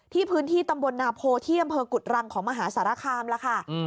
ที่พื้นที่ตำบลนาโพเที่ยมเพชรกุศรังของมหาสารคามล่ะค่ะ